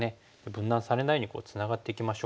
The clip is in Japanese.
分断されないようにツナがっていきましょう。